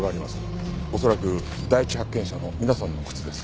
恐らく第一発見者の皆さんの靴です。